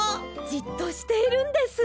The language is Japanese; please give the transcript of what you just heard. じっとしているんです。